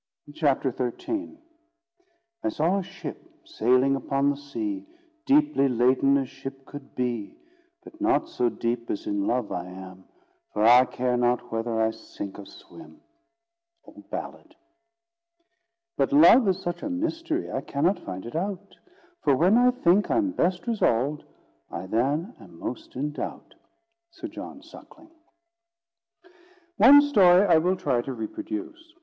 CHAPTER XIII "I saw a ship sailing upon the sea Deeply laden as ship could be; But not so deep as in love I am For I care not whether I sink or swim." OLD BALLAD. "But Love is such a Mystery I cannot find it out: For when I think I'm best resolv'd, I then am in most doubt." SIR JOHN SUCKLING. One story I will try to reproduce.